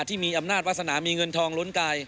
ที่มีอำนาจวาสนามีเงินทองล้นกาย